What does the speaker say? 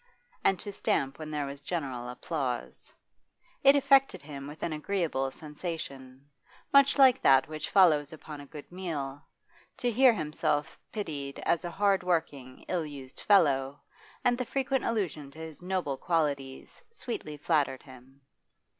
and to stamp when there was general applause; it affected him with an agreeable sensation, much like that which follows upon a good meal, to hear himself pitied as a hard working, ill used fellow, and the frequent allusion to his noble qualities sweetly flattered him.